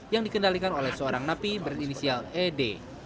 yang dikendalikan oleh seorang napi berinisial ed